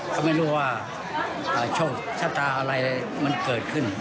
ก็ไม่รู้ว่าโชคชะตาอะไรมันเกิดขึ้น